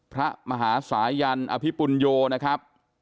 พระมหาสายันอภิปุญโยนะครับ